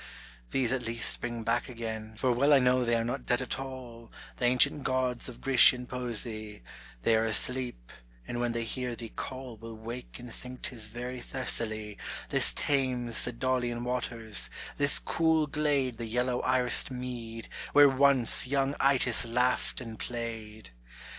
these at least bring back again, For well I know they are not dead at all, The ancient Gods of Grecian poesy, They are asleep, and when they hear thee call Will wake and think 'tis very Thessaly, This Thames the Daulian waters, this cool glade The yellow irised mead where once young Itys laughed and played.